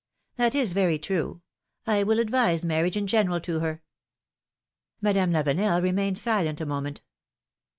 ^^ That is very true ! I will advise marriage in general to her ! Madame Lavenel remained silent a moment.